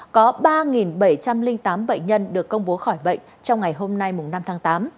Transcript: có ba bảy trăm linh tám bệnh nhân được công bố khỏi bệnh trong ngày hôm nay năm tháng tám